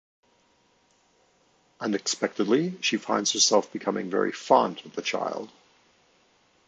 Unexpectedly, she finds herself becoming very fond of the child.